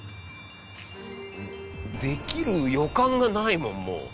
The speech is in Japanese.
できる予感がないもんもう。